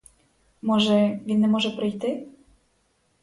Може, він не може прийти?